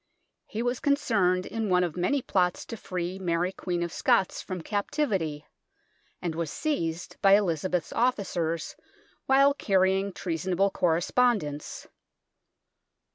He was concerned in one of many plots to free Mary Queen of Scots from captivity, and was seized by Elizabeth's officers while carrying treasonable correspond ence.